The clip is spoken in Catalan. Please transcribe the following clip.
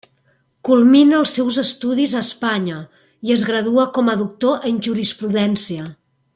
Culmina els seus estudis a Espanya, i es gradua com a doctor en jurisprudència.